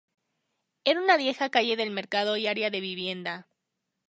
Era una vieja calle del mercado y área de vivienda.